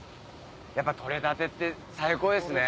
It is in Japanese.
やっぱとれたてって最高ですね。